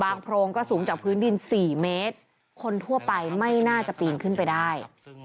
โพรงก็สูงจากพื้นดิน๔เมตรคนทั่วไปไม่น่าจะปีนขึ้นไปได้